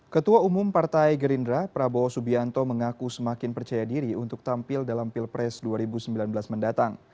ketua umum partai gerindra prabowo subianto mengaku semakin percaya diri untuk tampil dalam pilpres dua ribu sembilan belas mendatang